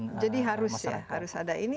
iya jadi harus ya harus ada ini